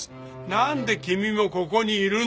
なんで君もここにいるの？